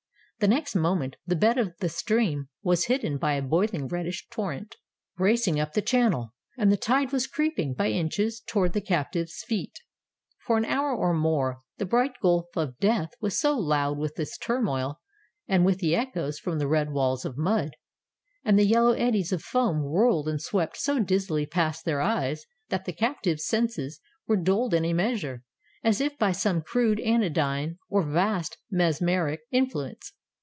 The next moment the bed of the stream was hidden by a boiling reddish torrent, racing up the channel; and the tide was creeping by inches toward the captives' feet. For an hour or more the bright gulf of death was so loud with this turmoil and with the echoes from the red walls of mud, and the yellow eddies of foam whirled and swept so dizzily past their eyes, that the captives' senses were dulled in a measure, as if by some crude anodyne or vast mesmeric influence.